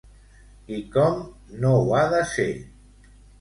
I com no ha de ser?